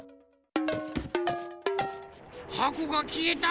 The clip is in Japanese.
はこがきえた！